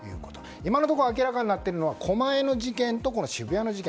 今のところ明らかになっているのは狛江の事件と渋谷の事件